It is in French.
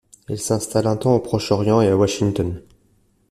Elle s'installe un temps au Proche-Orient et à Washington.